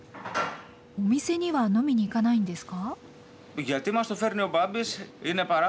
お店には飲みに行かないんですか？